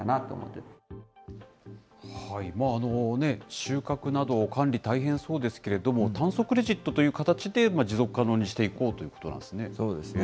収穫など、管理大変そうですけれども、炭素クレジットという形で持続可能にしていこうということなんでそうですね。